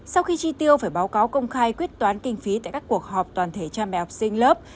sau khi chi tiêu phải báo cáo công khai quyết toán kinh phí tại các cuộc họp toàn thể cha mẹ học sinh lớp